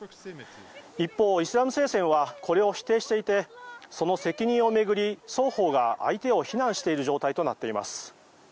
一方、イスラム聖戦はこれを否定していてその責任を巡り双方が相手を非難している状態となっています。